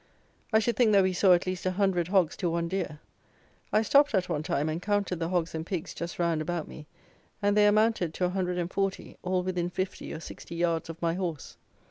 I should think that we saw at least a hundred hogs to one deer. I stopped, at one time, and counted the hogs and pigs just round about me, and they amounted to 140, all within 50 or 60 yards of my horse.